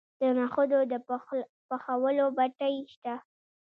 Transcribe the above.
د نخودو د پخولو بټۍ شته.